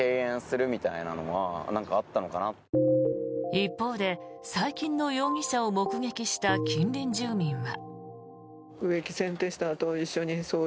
一方で最近の容疑者を目撃した近隣住民は。